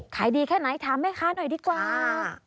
ขายดีค่ะไหนทำให้คะหน่อยดีกว่า